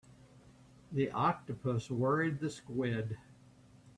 The octopus worried the squid.